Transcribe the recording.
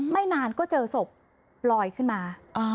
ไม่นานก็เจอศพลอยขึ้นมา